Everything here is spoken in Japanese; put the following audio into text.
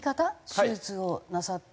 手術をなさった。